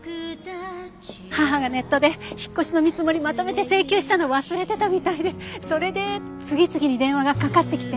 母がネットで引っ越しの見積もりまとめて請求したの忘れてたみたいでそれで次々に電話がかかってきて。